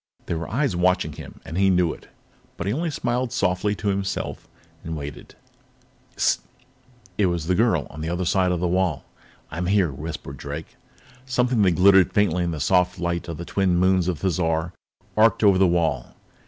There were eyes watching him, and he knew it, but he only smiled softly to himself and waited. "Sssssst!" It was the girl, on the other side of the wall. "I'm here," whispered Drake. Something that glittered faintly in the soft light of the twin moons of Thizar arced over the wall.